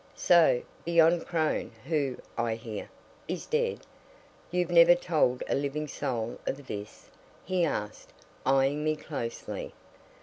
"So beyond Crone who, I hear, is dead you've never told a living soul of this?" he asked, eyeing me closely.